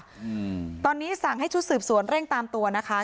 อืมตอนนี้สั่งให้ชุดสืบสวนเร่งตามตัวนะคะ